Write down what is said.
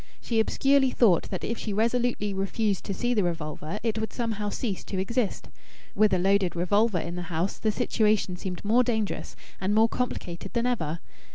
She obscurely thought that if she resolutely refused to see the revolver it would somehow cease to exist. With a loaded revolver in the house the situation seemed more dangerous and more complicated than ever.